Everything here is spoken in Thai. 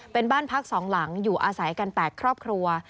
เป็นบ้านพัก๒หลังอยู่อาศัยกัน๘ครอบครัว